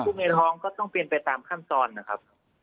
ในท้องก็ต้องเป็นไปตามขั้นตอนนะครับ